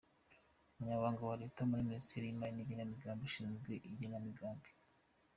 Umunyamabanga wa Leta muri Minisiteri y’Imari n’Igenamigambi ushinzwe Igenamigambi, Dr.